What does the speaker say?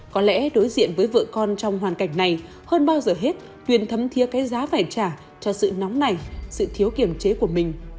có lẽ đối diện với vợ con trong hoàn cảnh này hơn bao giờ hết tuyền thấm thiế cái giá phải trả cho sự nóng này sự thiếu kiểm chế của mình